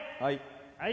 はい。